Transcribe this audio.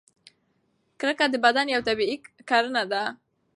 کرکه د بدن یوه طبیعي کړنه ده.